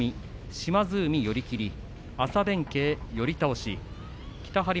島津海、寄り切り。